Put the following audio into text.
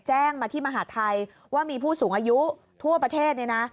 แจ้งมาที่มหาทัยว่ามีผู้สูงอายุทั่วประเทศเนี่ยนะ